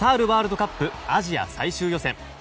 ワールドカップアジア最終予選。